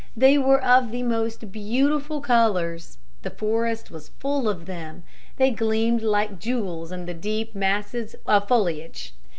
They were of the most beautiful colors. The forest was full of them. They gleamed like jewels in the deep masses of foliage.